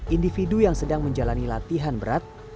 individu yang sedang menjalani latihan berat